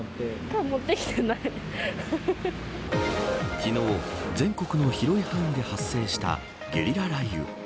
昨日、全国の広い範囲で発生したゲリラ雷雨。